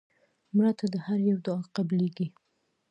مړه ته د هر یو دعا قبلیږي